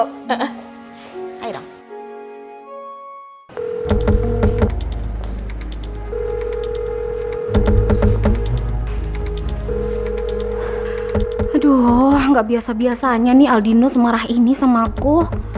kamu juga sayang banget sama ibu